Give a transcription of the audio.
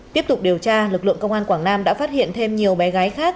tiếp tục điều tra lực lượng công an quảng nam đã phát hiện thêm nhiều bé gái khác